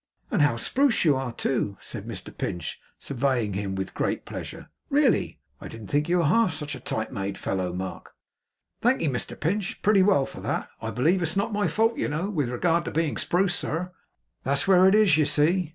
'And how spruce you are, too!' said Mr Pinch, surveying him with great pleasure. 'Really, I didn't think you were half such a tight made fellow, Mark!' 'Thankee, Mr Pinch. Pretty well for that, I believe. It's not my fault, you know. With regard to being spruce, sir, that's where it is, you see.